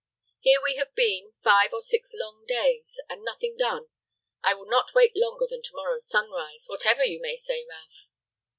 Here we have been five or six long days, and nothing done. I will not wait longer than to morrow's sunrise, whatever you may say, Ralph."